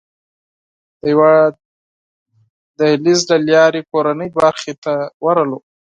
د یوه دهلېز له لارې کورنۍ برخې ته ورغلو.